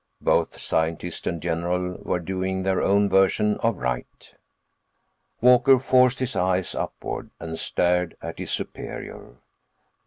Both scientist and general were doing their own version of right....__] Walker forced his eyes upward and stared at his superior.